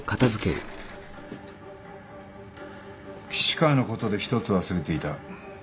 岸川のことで一つ忘れていた。